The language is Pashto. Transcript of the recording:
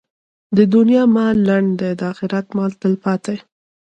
د دنیا مال لنډ دی، د اخرت مال تلپاتې.